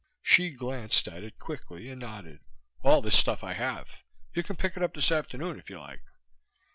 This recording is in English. Hsi glanced at it quickly and nodded. "All this stuff I have. You can pick it up this afternoon if you like."